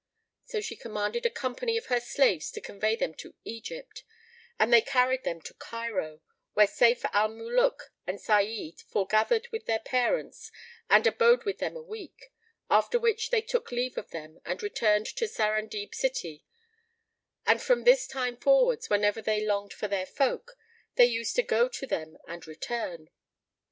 So she commanded a company of her slaves to convey them to Egypt, and they carried them to Cairo, where Sayf al Muluk and Sa'id foregathered with their parents and abode with them a week; after which they took leave of them and returned to Sarandib city; and from this time forwards, whenever they longed for their folk, they used to go to them and return.